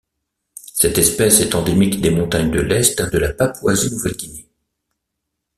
Cette espèce est endémique des montagnes de l'Est de la Papouasie-Nouvelle-Guinée.